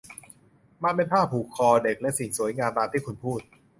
มันเป็นผ้าผูกคอ เด็กและสิ่งสวยงามตามที่คุณพูด